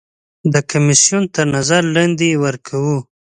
د کمیسیون تر نظر لاندې یې ورکوو.